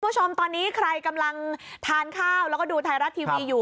คุณผู้ชมตอนนี้ใครกำลังทานข้าวแล้วก็ดูไทยรัฐทีวีอยู่